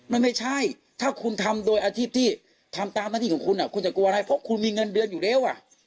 มันไม่ใช่ถ้าคุณทำโดยอาชีพที่ทำตามหน้าที่ของคุณคุณจะกลัวอะไรเพราะคุณมีเงินเดือนอยู่แล้ว